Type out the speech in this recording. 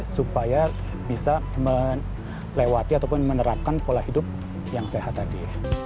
supaya bisa melewati ataupun menerapkan pola hidup yang sehat tadi